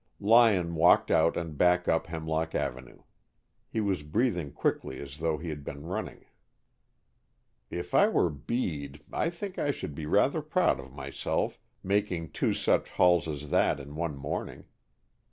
Lyon walked out and back up Hemlock Avenue. He was breathing quickly as though he had been running. "If I were Bede I think I should be rather proud of myself, making two such hauls as that in one morning.